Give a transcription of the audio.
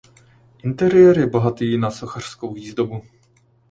Interiér je bohatý na sochařskou výzdobu.